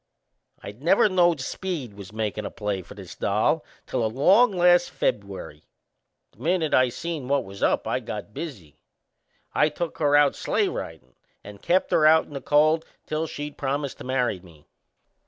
I never knowed Speed was makin' a play for this doll till along last Feb'uary. The minute I seen what was up I got busy. I took her out sleigh ridin' and kept her out in the cold till she'd promised to marry me.